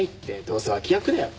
どうせ脇役だよ。